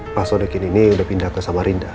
pak sodikin ini udah pindah ke samarinda